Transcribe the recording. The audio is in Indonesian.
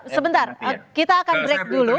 sebentar kita akan break dulu